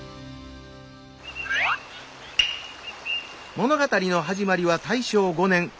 物語の始まりは大正５年。